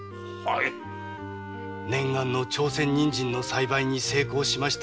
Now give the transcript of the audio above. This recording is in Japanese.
念願の朝鮮人参の栽培に成功しました